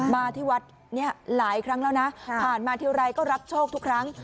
มาที่วัดนี้หลายครั้งแล้วนะผ่านมาทีไรก็รับโชคทุกครั้ง